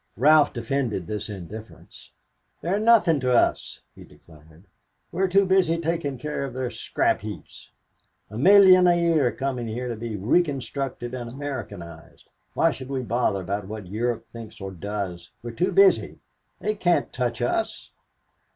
Ralph defended this indifference. "They're nothing to us," he declared. "We're too busy taking care of their scrap heaps. A million a year coming here to be reconstructed and Americanized, why should we bother about what Europe thinks or does? We're too busy. They can't touch us."